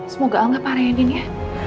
semoga al gak parah ya andin ya